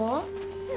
うん。